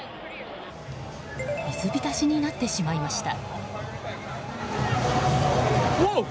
水浸しになってしまいました。